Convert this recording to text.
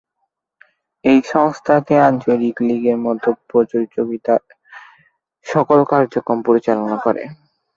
এই সংস্থাটি আঞ্চলিক লীগের মতো প্রতিযোগিতার সকল কার্যক্রম পরিচালনা করে।